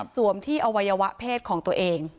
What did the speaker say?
มที่อวัยวะเพศของตัวเอง